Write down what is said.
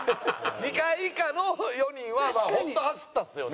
２階以下の４人はまあ本当走ったっすよね？